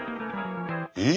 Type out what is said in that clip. えっ？